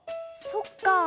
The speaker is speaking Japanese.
そっか。